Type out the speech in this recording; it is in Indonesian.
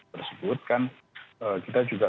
tersebut kan kita juga